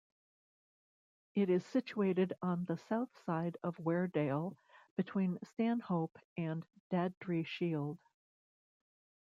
It is situated on the south side of Weardale, between Stanhope and Daddry Shield.